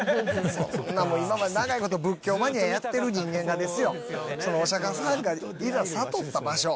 そんなもん今まで長いこと仏教マニアやってる人間がお釈迦さんがいざ悟った場所。